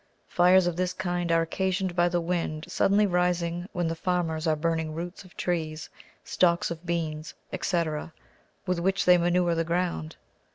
Fires of this kind are occasioned by the wind suddenly rising when the farmers are burning roots of trees, stalks of beans, &c., with which they manure the ground.